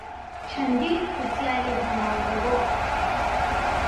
چەندین پرسیاری هێناوەتە گۆڕ